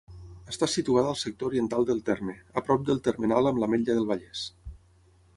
Està situada al sector oriental del terme, a prop del termenal amb l'Ametlla del Vallès.